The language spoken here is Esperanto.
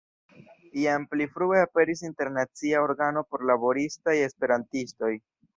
Jam pli frue aperis internacia organo por laboristaj Esperantistoj.